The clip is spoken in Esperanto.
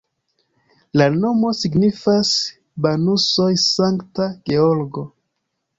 La nomo signifas Banusoj-Sankta Georgo.